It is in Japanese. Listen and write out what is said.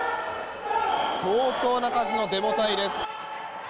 相当な数のデモ隊です。